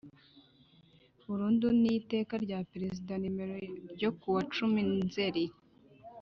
burundu n Iteka rya Perezida nimero ryo ku wa cumi nzeri